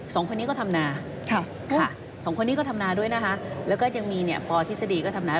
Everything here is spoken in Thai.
สองคนนี้ก็ทำนาค่ะค่ะสองคนนี้ก็ทำนาด้วยนะคะแล้วก็ยังมีเนี่ยปทฤษฎีก็ทำนา